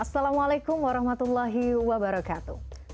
assalamualaikum warahmatullahi wabarakatuh